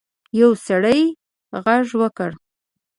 یو سړي غږ وکړ.